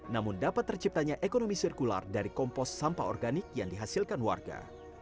namun dapat terciptanya ekonomi sirkular dari kompos sampah organik yang dihasilkan warga